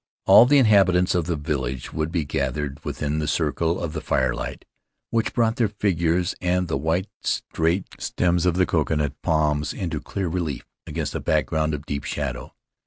All the inhabitants of the village would be gathered within the circle of the firelight, which brought their figures and the white, straight stems of the coconut palms into clear relief against a background of deep shadow.